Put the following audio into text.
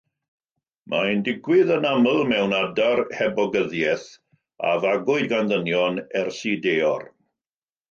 Mae'n digwydd yn aml mewn adar hebogyddiaeth a fagwyd gan ddynion ers eu deor.